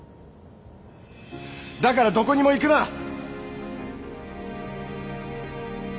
だからどこにも行くな！